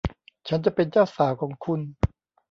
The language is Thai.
ฉันจะเป็นเจ้าสาวของคุณ